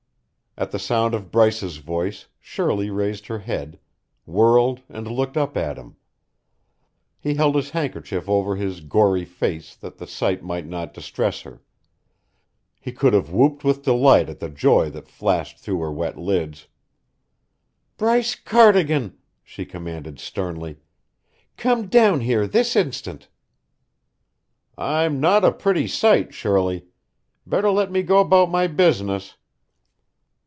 At the sound of Bryce's voice, Shirley raised her head, whirled and looked up at him. He held his handkerchief over his gory face that the sight might not distress her; he could have whooped with delight at the joy that flashed through her wet lids. "Bryce Cardigan," she commanded sternly, "come down here this instant." "I'm not a pretty sight, Shirley. Better let me go about my business."